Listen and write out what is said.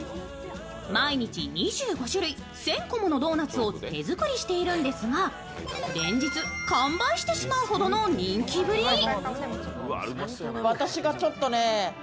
毎日２５種類、１０００個ものドーナツを手作りしているんですが連日完売してしまうほどの人気ぶり。